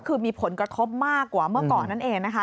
คือมีผลกระทบมากกว่าเมื่อก่อนนั่นเองนะคะ